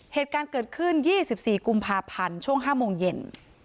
เหตุการณ์เกิดขึ้น๒๔กุมภาพันธ์ช่วง๕โมงเย็น